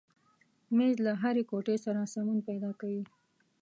مېز له هرې کوټې سره سمون پیدا کوي.